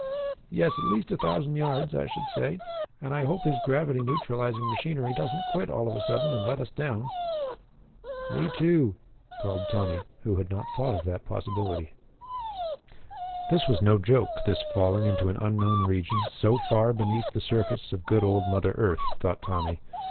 "Yes, at least a thousand yards, I should say. And I hope his gravity neutralizing machinery doesn't quit all of a sudden and let us down." "Me, too," called Tommy, who had not thought of that possibility. This was no joke, this falling into an unknown region so far beneath the surface of good old mother earth, thought Tommy.